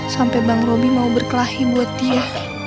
sampai bang robi mau berkelahi buat dia